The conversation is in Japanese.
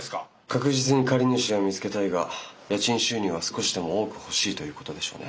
確実に借り主を見つけたいが家賃収入は少しでも多く欲しいということでしょうね。